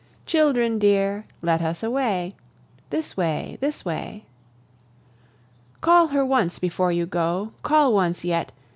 Children dear, let us away! This way, this way! Call her once before you go Call once yet!